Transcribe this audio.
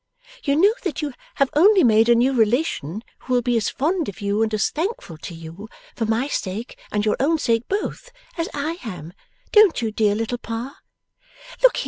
You know that you have only made a new relation who will be as fond of you and as thankful to you for my sake and your own sake both as I am; don't you, dear little Pa?